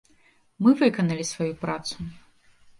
Мы выканалі сваю працу.